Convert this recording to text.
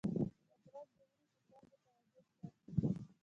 بادرنګ د وینې فشار متوازن ساتي.